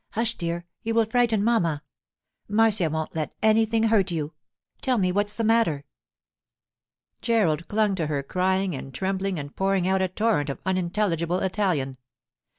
Hush, dear; you will frighten mamma. Marcia won't let anything hurt you. Tell me what's the matter.' Gerald clung to her, crying and trembling and pouring out a torrent of unintelligible Italian.